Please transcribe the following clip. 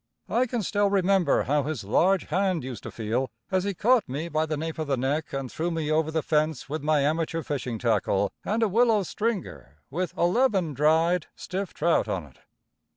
I can still remember how his large hand used to feel, as he caught me by the nape of the neck and threw me over the fence with my amateur fishing tackle and a willow "stringer" with eleven dried, stiff trout on it.